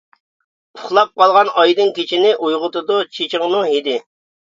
ئۇخلاپ قالغان ئايدىڭ كېچىنى، ئويغىتىدۇ چېچىڭنىڭ ھىدى.